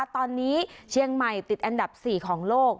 ตอนนี้เชียงใหม่ติดอันดับ๔ของโลก